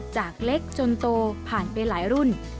จากเล็กจนโตผ่านไปหลายรุ่น